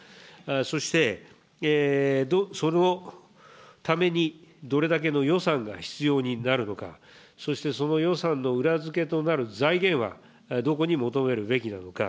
そして、そのためにどれだけの予算が必要になるのか、そしてその予算の裏付けとなる財源はどこに求めるべきなのか。